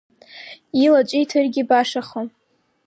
Илаҿиҭыргьы башахон.